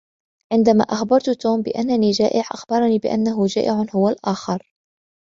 عندما أخبرت توم بأني جائع، أخبرني بأنه جائع هو الآخر.